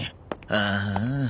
ああ。